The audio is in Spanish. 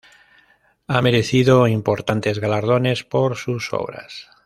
Ha merecido importantes galardones por sus obras.